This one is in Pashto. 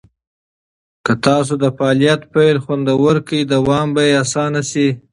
که تاسو د فعالیت پیل خوندور کړئ، دوام به یې اسانه شي.